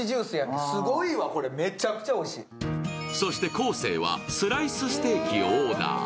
昴生はスライスステーキをオーダー。